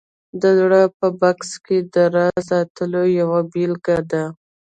د زړه په بکس کې د راز ساتل یوه بېلګه ده